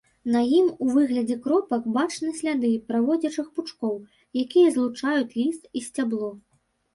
На ім у выглядзе кропак бачны сляды праводзячых пучкоў, якія злучаюць ліст і сцябло.